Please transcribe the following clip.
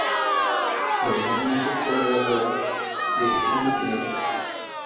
Generalmente pone dos huevos, desechando el primero.